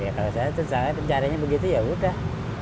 ya kalau saya caranya begitu ya udah